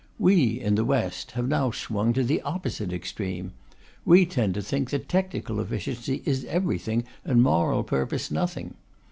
We, in the West, have now swung to the opposite extreme: we tend to think that technical efficiency is everything and moral purpose nothing.